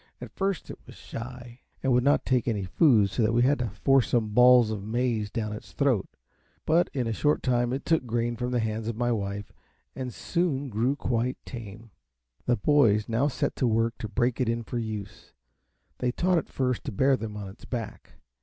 At first it was shy, and would not take any food, so that we had to force some balls of maize down its throat; but in a short time it took grain from the hands of my wife, and soon grew quite tame. The boys now set to work to break it in for use. They taught it first to bear them on its back.